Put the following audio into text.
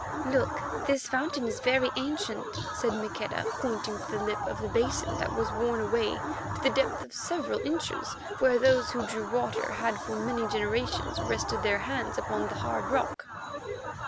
"Look, this fountain is very ancient," said Maqueda, pointing to the lip of the basin that was worn away to the depth of several inches where those who drew water had for many generations rested their hands upon the hard rock.